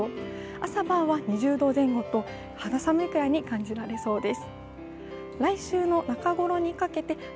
朝晩は２０度前後と肌寒いぐらいに感じられそうです。